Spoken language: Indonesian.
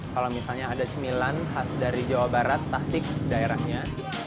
kalau misalnya ada cemilan khas dari jawa barat tasik daerahnya